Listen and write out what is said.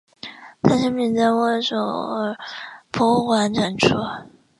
他的生平在沃尔索尔博物馆展出。